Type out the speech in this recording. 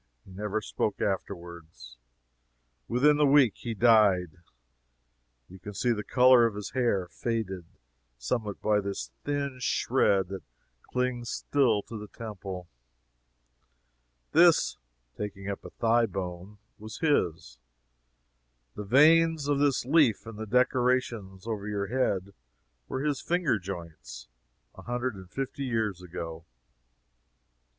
He never spoke afterward. Within the week he died. You can see the color of his hair faded, somewhat by this thin shred that clings still to the temple. This, [taking up a thigh bone,] was his. The veins of this leaf in the decorations over your head, were his finger joints, a hundred and fifty years ago."